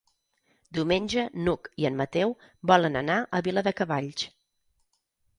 Diumenge n'Hug i en Mateu volen anar a Viladecavalls.